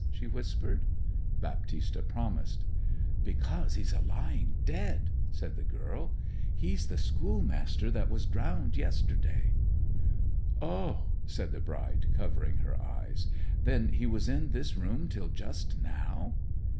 she whispered. Baptista promised. 'Because he's a lying dead!' said the girl. 'He's the schoolmaster that was drownded yesterday.' 'O!' said the bride, covering her eyes. 'Then he was in this room till just now?'